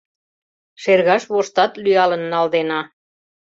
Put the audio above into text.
Шергаш воштат лӱялын налдена